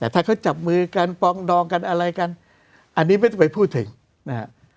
ถ้าเขาจับมือกันปองดองกันอะไรกันอันนี้ไม่ต้องไปพูดถึงนะฮะ